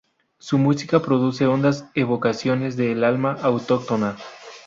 Su música produce hondas evocaciones del alma autóctona.